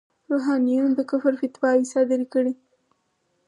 روحانیونو د کفر فتواوې صادرې کړې.